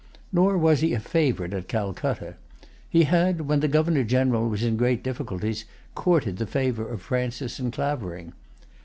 Nor was he a favorite at Calcutta. He had, when the Governor General was in great difficulties, courted the favor of Francis and Clavering.